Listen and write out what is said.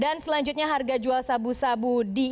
dan selanjutnya harga jual sabu sabu di indonesia